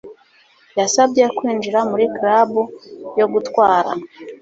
Yasabye kwinjira muri club yo gutwara.